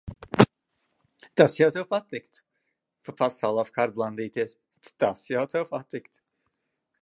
Tas jau tev patiktu. Pa pasauli apkārt blandīties, tas jau tev patiktu.